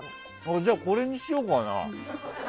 じゃあ、これにしようかな。